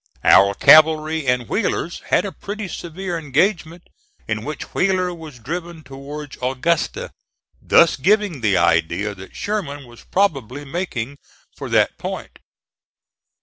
Our cavalry and Wheeler's had a pretty severe engagement, in which Wheeler was driven towards Augusta, thus giving the idea that Sherman was probably making for that point.